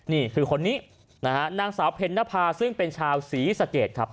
นี่คือคนนี้นะฮะนางสาวเพ็ญนภาซึ่งเป็นชาวศรีสะเกดครับ